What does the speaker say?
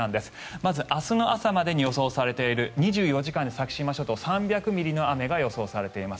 まず明日の朝までに予想されている２４時間で先島諸島、３００ミリの雨が予想されています。